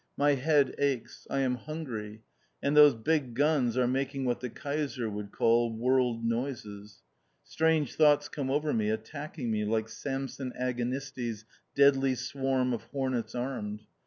My head aches! I am hungry; and those big guns are making what the Kaiser would call World Noises. Strange thoughts come over me, attacking me, like Samson Agonistes' "deadly swarm of hornets armed."